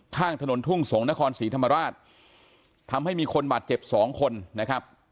ข้างถนนทุ่งสงศ์นครศรีธรรมราชทำให้มีคนบาดเจ็บสองคนนะครับ